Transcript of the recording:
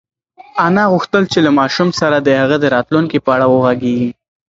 انا غوښتل چې له ماشوم سره د هغه د راتلونکي په اړه وغږېږي.